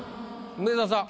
梅沢さん